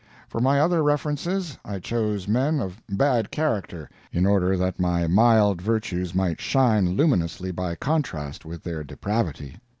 For my other references I chose men of bad character, in order that my mild virtues might shine luminously by contrast with their depravity.